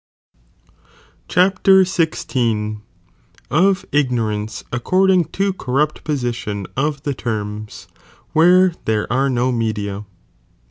Chap. XVI. — Of Ignorance^ according to corrupt posUion of the I'ermSf where there are no Media.